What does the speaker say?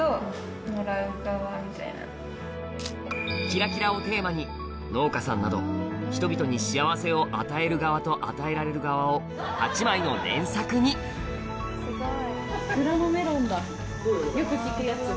「きらきら」をテーマに農家さんなど人々に幸せを与える側と与えられる側を８枚の連作によく聞くやつ？